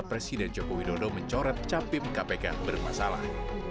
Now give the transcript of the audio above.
presiden joko widodo mencoret capim kpk bermasalah